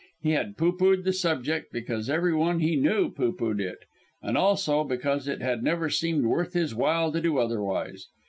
He had pooh poohed the subject, because every one he knew pooh poohed it, and also because it had never seemed worth his while to do otherwise.